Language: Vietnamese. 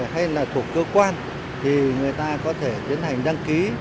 hay là thuộc cơ quan thì người ta có thể tiến hành đăng ký